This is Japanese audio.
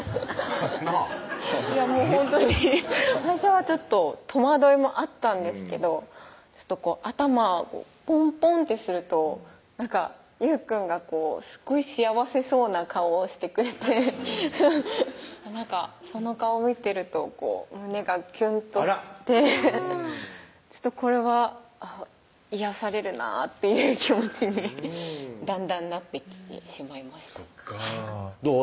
なぁいやもうほんとに最初はちょっと戸惑いもあったんですけど頭をポンポンってすると優くんがすごい幸せそうな顔をしてくれてなんかその顔を見てると胸がキュンとしてこれは癒やされるなっていう気持ちにだんだんなってきてしまいましたそっかどう？